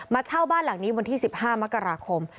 เช่าบ้านหลังนี้วันที่๑๕มกราคม